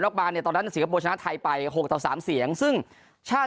บานเนี่ยตอนนั้นสิงคโปร์ชนะไทยไปหกต่อสามเสียงซึ่งชาติ